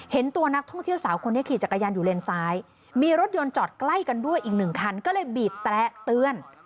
เห็นตัวนักท่องเที่ยวสาวคนนี้ขี่จักรยานอยู่เลนซ้ายมีรถยนต์จอดใกล้กันด้วยอีกหนึ่งคันก็เลยบีบแปรเตือน